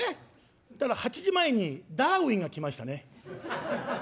８時前にダーウィンが来ましたね。